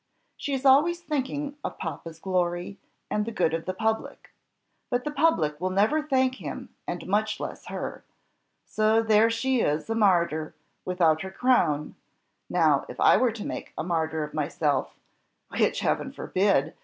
She is always thinking of papa's glory and the good of the public, but the public will never thank him and much less her; so there she is a martyr, without her crown; now, if I were to make a martyr of myself, which, Heaven forbid!